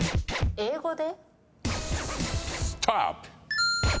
英語で？